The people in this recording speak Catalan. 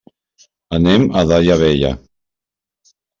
Anem a Daia Vella.